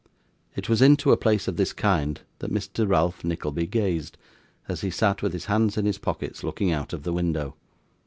It was into a place of this kind that Mr. Ralph Nickleby gazed, as he sat with his hands in his pockets looking out of the window.